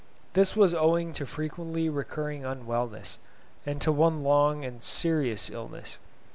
This was owing to frequently recurring unwellness, and to one long and serious illness.